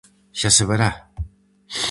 Xa se verá!